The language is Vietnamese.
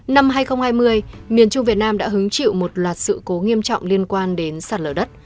năm hai nghìn hai mươi miền trung việt nam đã hứng chịu một loạt sự cố nghiêm trọng liên quan đến sạt lở đất